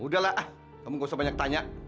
udahlah ah kamu gak usah banyak tanya